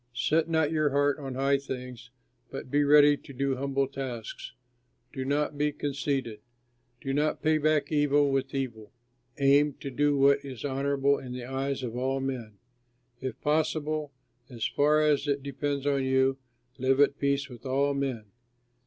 Set not your heart on high things but be ready to do humble tasks. Do not be conceited. Do not pay back evil for evil; aim to do what is honorable in the eyes of all men. If possible, as far as it depends on you, live at peace with all men.